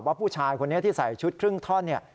ว่าผู้ชายคนนี้ที่ใส่ชุดครึ่งท่อนเนี่ย